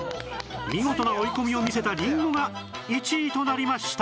見事な追い込みを見せたりんごが１位となりました